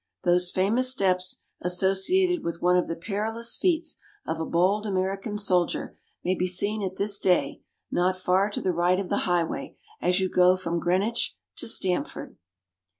Those famous steps, associated with one of the perilous feats of a bold American soldier, may be seen at this day, not far to the right of the highway, as you go from Greenwich to Stamford.